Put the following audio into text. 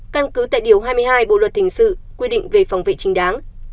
căn cứ tại điều hai mươi hai bộ luật thình sự quy định về phòng vệ trình đáng